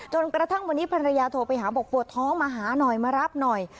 จนกระทั่งวันนี้ภรรยาโทรไปหาบอกปวดท้องมาหาหน่อยมารับหน่อย